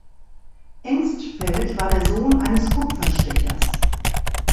Engstfeld war der Sohn eines Kupferstechers.